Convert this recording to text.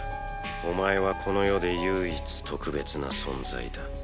お前はこの世で唯一特別な存在だ。